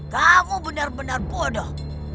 kamu benar benar bodoh